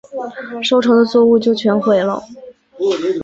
收成的作物就全毁了